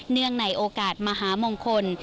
เนื่องในโอกาสมหามงคล